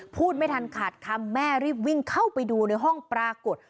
พูดไม่ทันขาดคำแม่รีบวิ่งเข้าไปดูในห้องปรากฏ